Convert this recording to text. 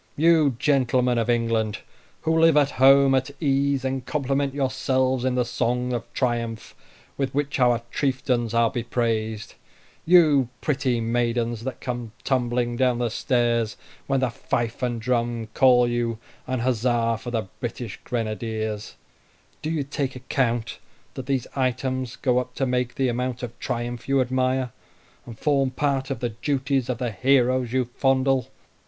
You, gentlemen of England, who live at home at ease, and compliment yourselves in the songs of triumph with which our chieftains are bepraised you pretty maidens, that come tumbling down the stairs when the fife and drum call you, and huzzah for the British Grenadiers do you take account that these items go to make up the amount of the triumph you admire, and form part of the duties of the heroes you fondle?